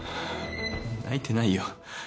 泣いてないよ。